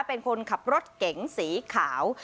เป็นคนขับรถเก๋งสีขาว